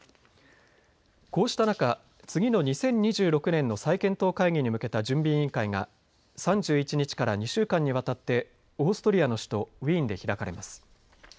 こうした中、次の２０２６年の再検討会議に向けた準備委員会が３１日から２週間にわたってオーストリアの首都ウィーンで開かれます。